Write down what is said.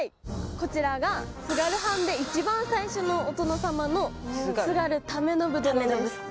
こちらが津軽藩で一番最初のお殿様の津軽為信殿です。